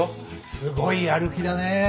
すごいやる気だね。